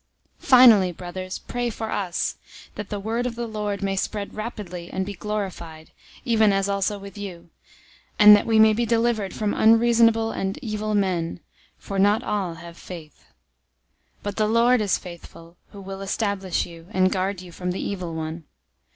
003:001 Finally, brothers, pray for us, that the word of the Lord may spread rapidly and be glorified, even as also with you; 003:002 and that we may be delivered from unreasonable and evil men; for not all have faith. 003:003 But the Lord is faithful, who will establish you, and guard you from the evil one.